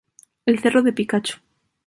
El cerro del Picacho.